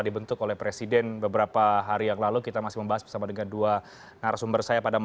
tetaplah bersama kami di peranius akhir pekan